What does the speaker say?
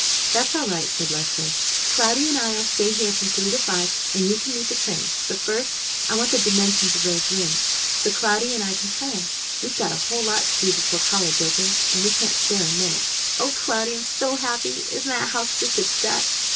"That's all right," said Leslie. "Cloudy and I'll stay here from three to five, and you can meet the trains; but first I want the dimensions of those rooms, so Cloudy and I can plan. We've got a whole lot to do before college opens, and we can't spare a minute. O Cloudy! I'm so happy! Isn't that house just a duck?"